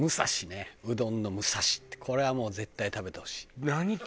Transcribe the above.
うどんのむさしってこれはもう絶対食べてほしい。